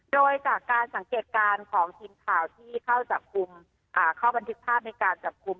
โดยจากการสังเกตการณ์ของทีมข่าวที่เข้าจับกลุ่มเข้าบันทึกภาพในการจับกลุ่ม